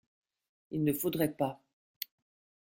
Il ne faudrait pas.